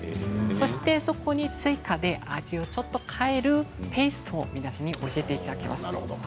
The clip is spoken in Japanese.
そして、そこに追加で味をちょっと変えるペーストを皆さんに教えていきます。